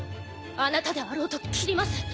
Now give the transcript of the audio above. あなたであろうと斬ります